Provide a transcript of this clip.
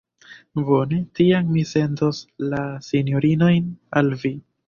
Bone, tiam mi sendos la sinjorinojn al vi.